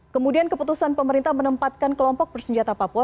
kemudian keputusan pemerintah menempatkan kelompok bersenjata papua